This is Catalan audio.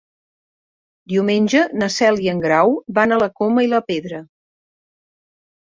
Diumenge na Cel i en Grau van a la Coma i la Pedra.